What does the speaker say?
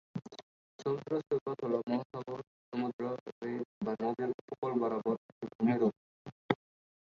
সমুদ্র সৈকত হল মহাসাগর, সমুদ্র, হ্রদ বা নদীর উপকূল বরাবর একটি ভূমিরূপ।